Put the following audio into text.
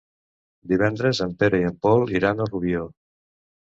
Divendres en Pere i en Pol iran a Rubió.